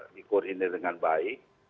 dikurini dengan baik